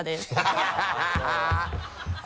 ハハハ